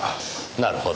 なるほど。